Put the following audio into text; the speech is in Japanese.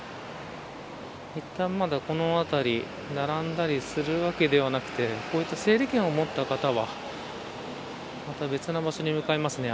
いったん、まだこの辺り並んだりするわけではなくてこういった整理券を持った方はまた別の場所に向かいますね。